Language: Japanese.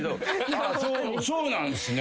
そうなんですね。